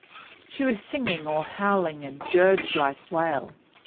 She was singing or howling a dirge like wail.